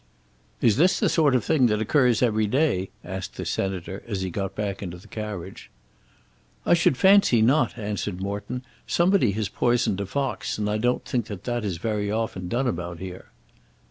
"Is this the sort of thing that occurs every day?" asked the Senator as he got back into the carriage. "I should fancy not," answered Morton. "Somebody has poisoned a fox, and I don't think that that is very often done about here."